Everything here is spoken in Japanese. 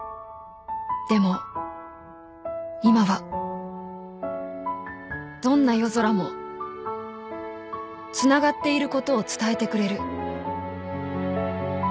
［でも今はどんな夜空もつながっていることを伝えてくれる］